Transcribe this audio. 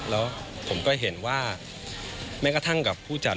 แล้วผมก็เห็นว่าแม้กระทั่งกับผู้จัด